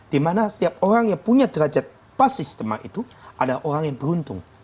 dimana setiap orang yang punya derajat pasis teman itu ada orang yang beruntung